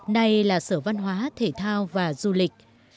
nay là sở văn hóa thể thao và du lịch